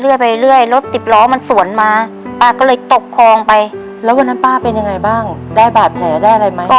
แล้ววันนั้นป้าเป็นยังไงบ้างได้บาดแผลได้อะไรไหม